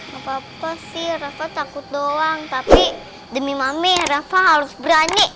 gak papa sih rafa takut doang tapi demi mami rafa harus berani